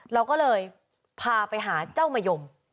เราก็เลยพาไปหาเจ้ามะยม